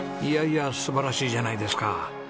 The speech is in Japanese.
いやいや素晴らしいじゃないですか。